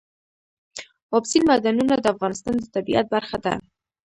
اوبزین معدنونه د افغانستان د طبیعت برخه ده.